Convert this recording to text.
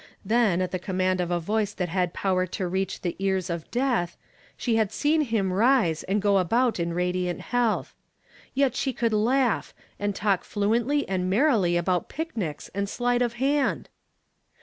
Then, at the command of a voice that had power to reach the ears of death, she had seen him rise, and go about in radiant health. Yet she could laugh, and talk fluently and merrily about picnics and sleight of hand